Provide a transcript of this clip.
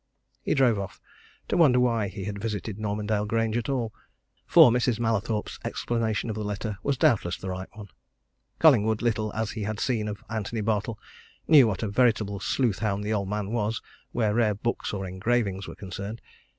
He drove off to wonder why he had visited Normandale Grange at all. For Mrs. Mallathorpe's explanation of the letter was doubtless the right one: Collingwood, little as he had seen of Antony Bartle, knew what a veritable sleuth hound the old man was where rare books or engravings were concerned.